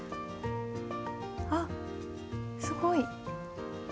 あっすごい。